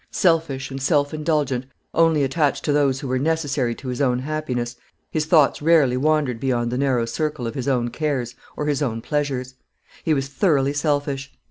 Selfish and self indulgent, only attached to those who were necessary to his own happiness, his thoughts rarely wandered beyond the narrow circle of his own cares or his own pleasures. He was thoroughly selfish.